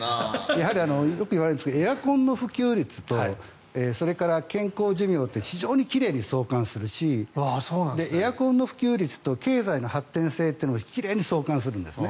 やはりよく言われるんですがエアコンの普及率とそれから健康寿命って非常に奇麗に相関するしエアコンの普及率と経済の発展性も奇麗に相関するんですね。